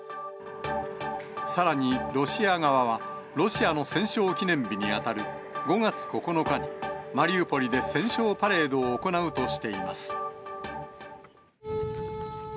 さらにロシア側は、ロシアの戦勝記念日に当たる５月９日に、マリウポリで戦勝パレードを行うとしています。